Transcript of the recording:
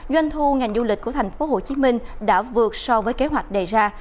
doanh thu ngành du lịch của tp hcm đã vượt so với kế hoạch đề ra